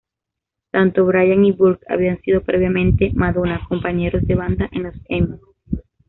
Tanto Bray y Burke había sido previamente Madonna compañeros de banda en los Emmy.